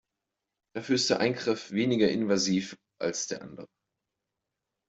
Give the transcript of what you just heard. Dafür ist der Eingriff weniger invasiv als der andere.